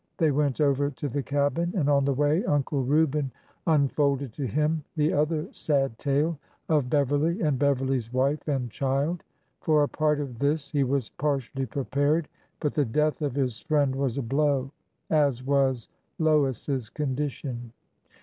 They went over to the cabin, and on the way Uncle Reuben unfolded to him the other sad tale, of Beverly and Beverly's wife and child. For a part of this he was partially prepared, but the death of his friend was a blow, as was Lois's condition.